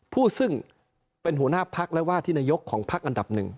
ผู้ซึ่งเป็นหัวหน้าพักและว่าที่นายกของพักอันดับหนึ่ง